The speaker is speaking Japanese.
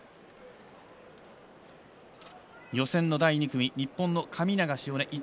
予選の第２組、日本の神長汐音